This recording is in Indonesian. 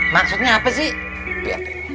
maksudnya apa sih